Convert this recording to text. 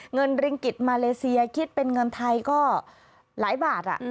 ริงกิจมาเลเซียคิดเป็นเงินไทยก็หลายบาท